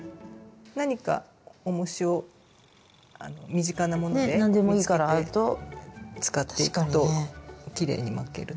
何かおもしを身近なもので使っていくときれいに巻けると思います。